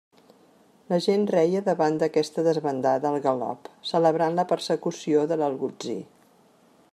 La gent reia davant d'aquesta desbandada al galop, celebrant la persecució de l'algutzir.